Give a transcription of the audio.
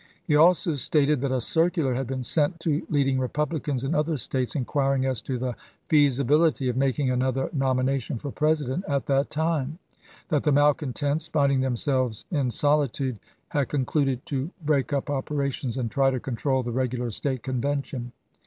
He also stated that a circular had been sent to leading Eepublicans in other States inquiring as to the feasibility of making another nomination for President at that time ; that the malcontents, find Thlirlow ing themselves in solitude, had concluded to break to seward, up operations and try to control the regular State iSS^'ms. Convention.